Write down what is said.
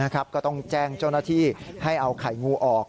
ก็ต้องแจ้งเจ้าหน้าที่ให้เอาไข่งูออก